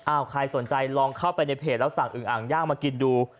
ใครสนใจลองเข้าไปในเพจแล้วสั่งอึงอ่างย่างมากินดู